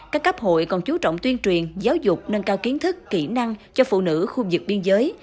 các cấp hội còn chú trọng tuyên truyền giáo dục nâng cao kiến thức kỹ năng cho phụ nữ khu vực biên giới